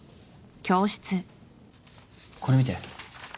これ見て。